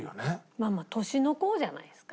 まあまあ年の功じゃないですか？